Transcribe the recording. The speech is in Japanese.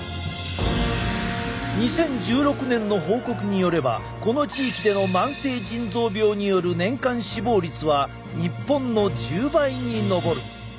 ２０１６年の報告によればこの地域での慢性腎臓病による年間死亡率は日本の１０倍に上る。